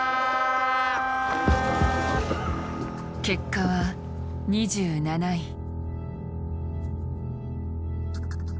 結果は２７位。